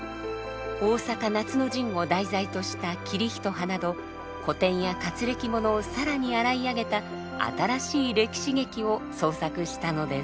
大坂夏の陣を題材とした「桐一葉」など古典や活歴物を更に洗い上げた新しい歴史劇を創作したのです。